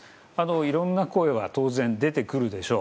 いろんな声は当然、出てくるでしょう。